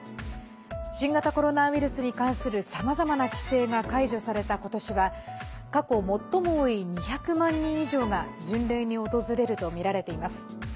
新型コロナウイルスに関するさまざまな規制が解除された今年は過去最も多い２００万人以上が巡礼に訪れるとみられています。